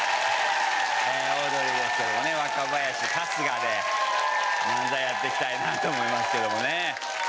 オードリーですけどもね若林春日で漫才やっていきたいなと思いますけどもね。